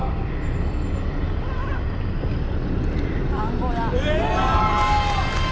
アンゴラ。